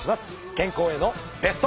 健康へのベスト。